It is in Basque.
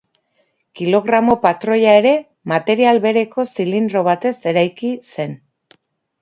Kilogramo-patroia ere material bereko zilindro batez eraiki zen.